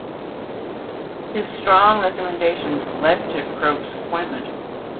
His strong recommendations led to Croke's appointment.